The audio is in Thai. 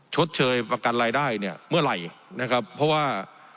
ชดเชยประกันรายได้เนี่ยเมื่อไหร่นะครับเพราะว่า